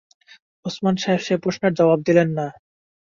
ওসমান সাহেব সে প্রশ্নের জবাব দিলেন না।